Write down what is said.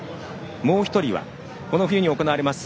もう１人はこの冬に行われます